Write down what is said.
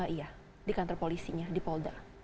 iya di kantor polisinya di polda